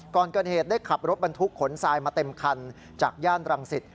ก่อนเกิดเหตุได้ขับรถบรรทุกขนทรายมาเต็มคันจากย่านรังสิต